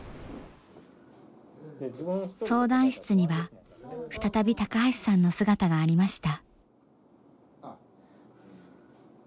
相談室には再び高橋さんの姿がありました。